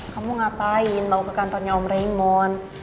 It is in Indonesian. kamu ngapain bawa ke kantornya om raymond